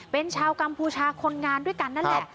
เป็นชาวกัมพูชาคนงานด้วยกันนั่นแหละ